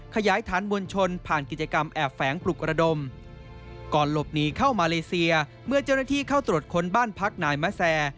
ขยายฐานมวลชนผ่านกิจกรรมแอบแฝงปลุกระดมก่อนหลบหนีเข้ามาเลเซียเมื่อเจ้าหน้าที่เข้าตรวจค้นบ้านพักนายมะแซ